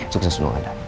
sukses untuk anda